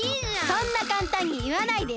そんなかんたんにいわないでよ！